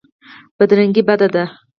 بدرنګي بد دی.